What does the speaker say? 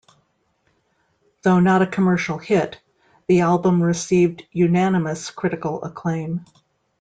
Though not a commercial hit, the album received unanimous critical acclaim.